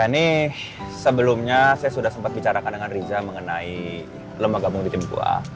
ini sebelumnya saya sudah sempat bicarakan dengan riza mengenai lemah gabung di tim gue